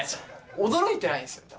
驚いてないんですよ。